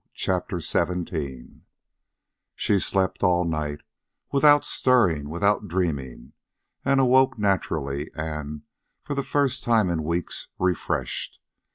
CHAPTER XVII She slept all night, without stirring, without dreaming, and awoke naturally and, for the first time in weeks, refreshed.